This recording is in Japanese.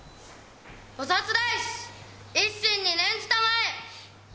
菩薩大士、一心に念じたまえ。